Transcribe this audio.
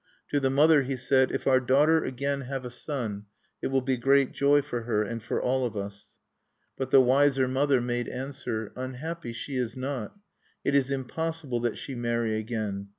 To the mother, he said: "If our daughter again have a son, it will be great joy for her, and for all of us." But the wiser mother made answer: "Unhappy she is not. It is impossible that she marry again.